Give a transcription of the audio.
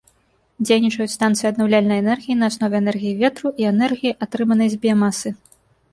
Дзейнічаюць станцыі аднаўляльнай энергіі на аснове энергіі ветру і энергіі, атрыманай з біямасы.